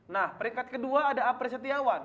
nah peringkat kedua ada apri setiawan